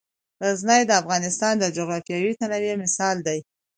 غزني د افغانستان د جغرافیوي تنوع مثال دی.